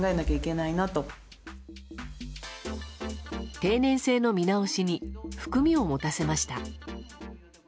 定年制の見直しに含みを持たせました。